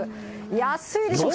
安いですよ。